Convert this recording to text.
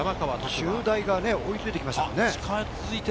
中大が追いついてきましたね。